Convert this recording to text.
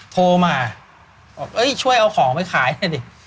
โทรมาช่วยเอาของไปขายหน่อยดิ